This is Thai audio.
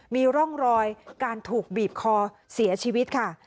มีร่องรอยการถูกบีบคอเสียชีวิตค่ะ